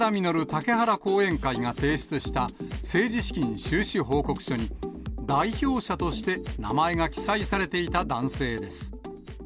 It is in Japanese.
竹原後援会が提出した政治資金収支報告書に、代表者として名前が記載されていた男性です。